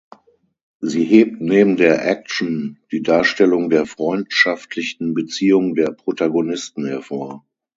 Sie hebt neben der Action die Darstellung der freundschaftlichen Beziehung der Protagonisten hervor.